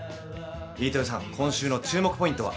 飯豊さん、今週の注目ポイントは？